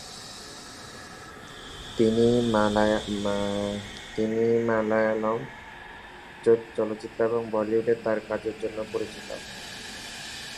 তিনি মালয়ালম চলচ্চিত্র এবং বলিউডে তাঁর কাজের জন্য পরিচিত।